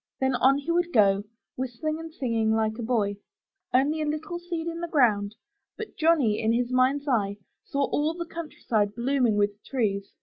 Then on he would go, whistling or singing like a 355 MY BOOK HOUSE boy. Only a little seed in the ground, but Johnny, in his mind's eye, saw all the countryside blooming with trees.